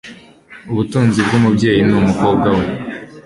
ubutunzi bw'umubyeyi ni umukobwa we